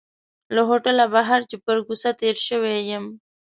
له هوټله بهر چې پر کوڅه تېر شوی یم.